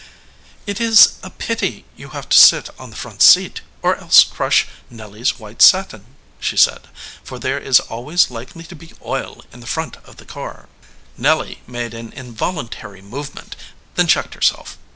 "It is a pity you have to sit on the front seat, or else crush Nelly s white satin," she said, "for there is always likely to be oil in the front of the car." Nelly made an involuntary movement, then checked herself.